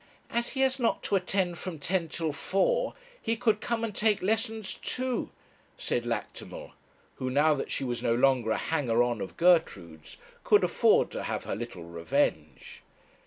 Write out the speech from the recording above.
'As he has not to attend from ten till four, he could come and take lessons too,' said Lactimel, who, now that she was no longer a hanger on of Gertrude's, could afford to have her little revenge.